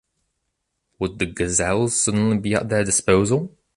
Would the gazelles suddenly be at their disposal?